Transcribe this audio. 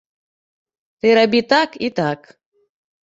Ты рабі так і так.